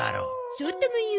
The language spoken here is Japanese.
そうとも言う。